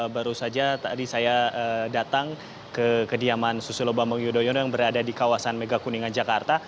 baru saja tadi saya datang ke kediaman susilo bambang yudhoyono yang berada di kawasan megakuningan jakarta